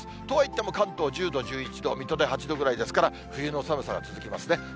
とはいっても、関東１０度、１１度、水戸で８度ぐらいですから、冬の寒さが続きますね。